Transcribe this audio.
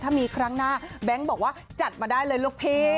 ถ้ามีครั้งหน้าแบงค์บอกว่าจัดมาได้เลยลูกพี่